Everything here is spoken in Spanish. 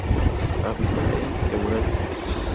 Habita en Eurasia.